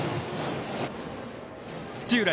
土浦